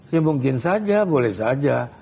ya mungkin saja boleh saja